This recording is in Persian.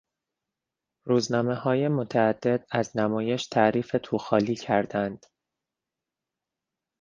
روزنامههای متعدد از نمایش تعریف توخالی کردند.